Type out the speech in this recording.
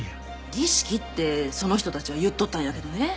儀式ってその人たちは言っとったんやけどね。